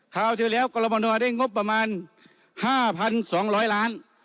คราวที่แล้วกรมนได้งบประมาณ๕๒๐๐ล้าน